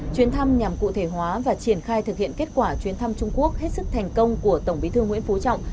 chuyến thăm nhằm cụ thể hóa và triển khai thực hiện kết quả chuyến thăm trung quốc hết sức thành công của tổng bí thư nguyễn phú trọng